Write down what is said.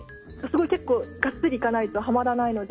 結構、がっつりいかないとはまらないので。